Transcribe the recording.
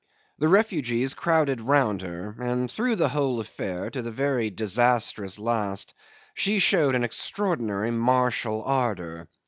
The refugees crowded round her; and through the whole affair, to the very disastrous last, she showed an extraordinary martial ardour.